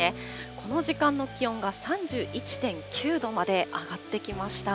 この時間の気温が３１．９度まで上がってきました。